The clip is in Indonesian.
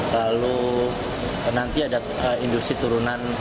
lalu nanti ada industri turunan